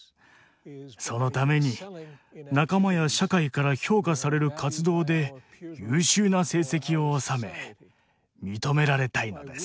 そのために仲間や社会から評価される活動で優秀な成績を収め認められたいのです。